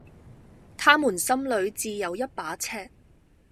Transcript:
他們心裏自有一把尺